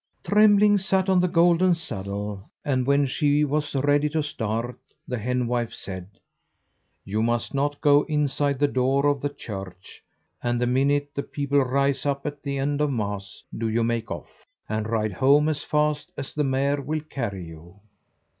Trembling sat on the golden saddle; and when she was ready to start, the henwife said: "You must not go inside the door of the church, and the minute the people rise up at the end of Mass, do you make off, and ride home as fast as the mare will carry you."